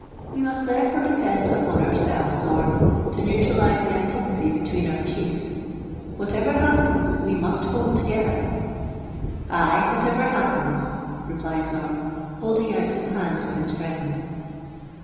We must therefore depend upon ourselves, Zorn, to neutralize the antipathy between our chiefs. Whatever happens, we must hold together." " Ay, whatever happens," replied Zorn, holding out his hand to his friend.